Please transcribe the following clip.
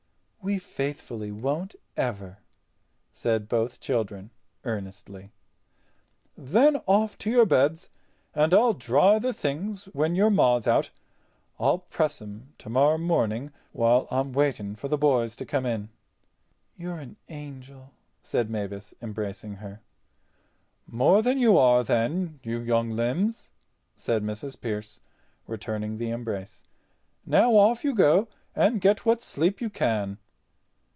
"We faithfully won't ever," said both children, earnestly. "Then off you go to your beds, and I'll dry the things when your Ma's out. I'll press 'em tomorrow morning while I'm waiting for the boys to come in." "You are an angel," said Mavis, embracing her. "More than you are then, you young limbs," said Mrs. Pearce, returning the embrace. "Now off you go, and get what sleep you can."